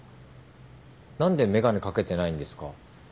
何で眼鏡掛けてないんですか？